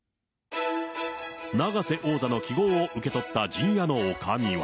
永瀬王座の揮ごうを受け取った陣屋のおかみは。